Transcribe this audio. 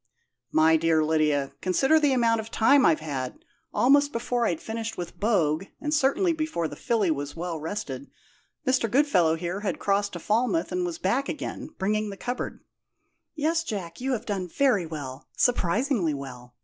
"My dear Lydia, consider the amount of time I've had! Almost before I'd finished with Bogue, and certainly before the filly was well rested, Mr. Goodfellow here had crossed to Falmouth and was back again, bringing the cupboard " "Yes, Jack; you have done very well surprisingly well.